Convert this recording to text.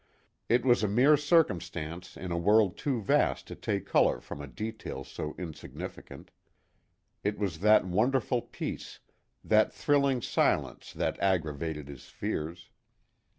It was a mere circumstance in a world too vast to take color from a detail so insignificant. It was that wondrous peace, that thrilling silence that aggravated his fears.